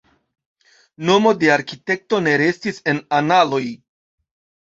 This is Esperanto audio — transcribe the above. Nomo de arkitekto ne restis en analoj.